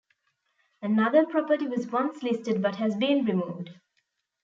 Another property was once listed but has been removed.